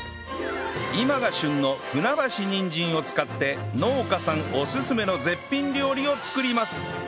今が旬の船橋にんじんを使って農家さんオススメの絶品料理を作ります！